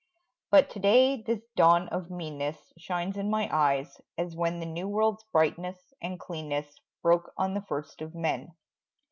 But to day this dawn of meanness Shines in my eyes, as when The new world's brightness and cleanness Broke on the first of men.